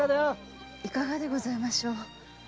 いかがでございましょう？